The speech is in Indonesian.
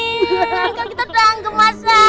mereka kita tangguh masang